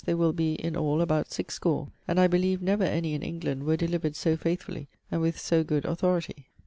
they will be in all about six score, and I beleeve never any in England were delivered so faithfully and with so good authority.'